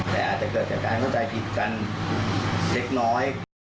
แต่อาจจะเกิดจากการเข้าใจผิดกันเล็กน้อย